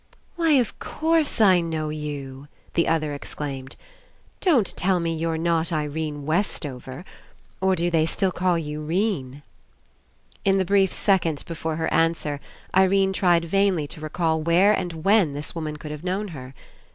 "Why, of course, I know you !" the other exclaimed. "Don't tell me you're not Irene Westover. Or do they still call you 'Rene?" 20 ENCOUNTER In the brief second before her answer, Irene tried vainly to recall where and when this woman could have known her.